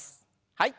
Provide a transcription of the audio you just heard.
はい。